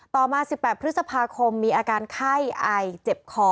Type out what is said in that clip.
ต่อมา๑๘พฤษภาคมมีอาการไข้ไอเจ็บคอ